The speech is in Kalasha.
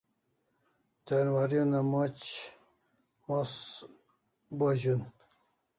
Janwari una moc mos no zun